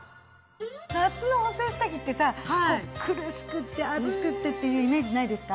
夏の補整下着ってさこう苦しくって暑くってっていうイメージないですか？